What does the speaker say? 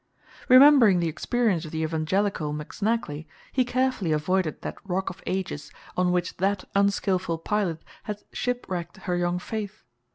Remembering the experience of the evangelical McSnagley, he carefully avoided that Rock of Ages on which that unskillful pilot had shipwrecked her young faith.